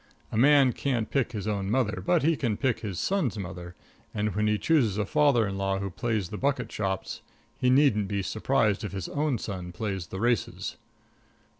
A man can't pick his own mother, but he can pick his son's mother, and when he chooses a father in law who plays the bucket shops, he needn't be surprised if his own son plays the races.